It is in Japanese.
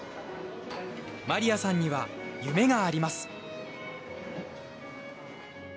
マリアさんには夢があります。